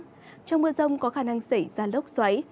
trong mưa rông có khả năng xảy ra lốc xoáy